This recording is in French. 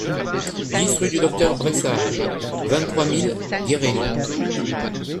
dix rue du Docteur Brésard, vingt-trois mille Guéret